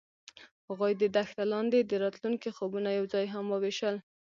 هغوی د دښته لاندې د راتلونکي خوبونه یوځای هم وویشل.